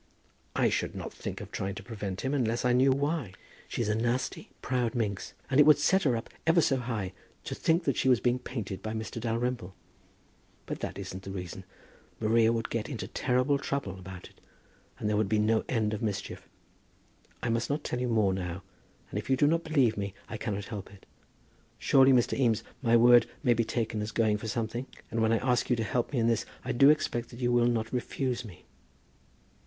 "I should not think of trying to prevent him unless I knew why." "She's a nasty proud minx, and it would set her up ever so high, to think that she was being painted by Mr. Dalrymple! But that isn't the reason. Maria would get into terrible trouble about it, and there would be no end of mischief. I must not tell you more now, and if you do not believe me, I cannot help it. Surely, Mr. Eames, my word may be taken as going for something? And when I ask you to help me in this, I do expect that you will not refuse me."